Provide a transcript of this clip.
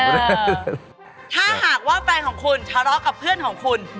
ถ้าหากว่าแฟนของคุณทะเลาะกับเพื่อนของคุณ